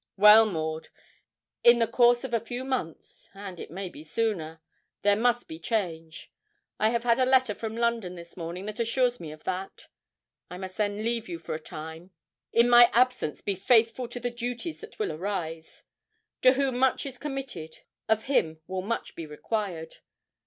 'Well, Maud, in the course of a few months and it may be sooner there must be a change. I have had a letter from London this morning that assures me of that. I must then leave you for a time; in my absence be faithful to the duties that will arise. To whom much is committed, of him will much be required.